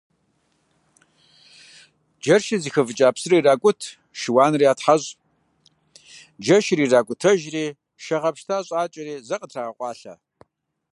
Джэшыр зыхэвыкӀа псыр иракӀут, шыуаныр ятхьэщӀ, джэшыр иракӀутэжри, шэ гъэпщта щӀакӀэри, зэ къытрагъэкъуалъэ.